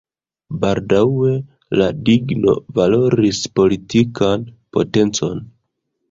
Baldaŭe la digno valoris politikan potencon.